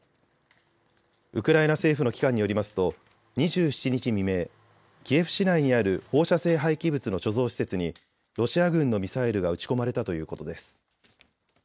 ウクライナ政府の機関によりますと２７日未明キエフ市内にある放射性廃棄物の貯蔵施設にロシア軍のミサイルが撃ち込まれたということです。